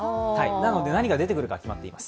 なので、何が出てくるかは決まっています。